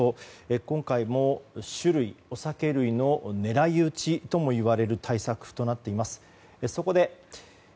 今回も酒類の狙い撃ちともいわれる対策となっています。